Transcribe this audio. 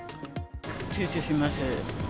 ちゅうちょします。